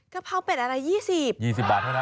กะเพราเป็ดอะไร๒๐บาท